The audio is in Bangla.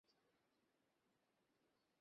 কেউ এর আগে আমার পাছায় এভাবে মারেনি।